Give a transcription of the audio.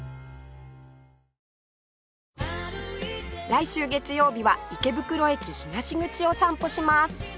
来週月曜日は池袋駅東口を散歩します